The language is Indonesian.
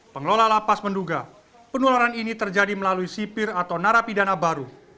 pengelola lapas menduga penularan ini terjadi melalui sipir atau narapidana baru